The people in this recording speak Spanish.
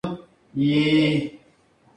Y no había nadie más para ayudarnos".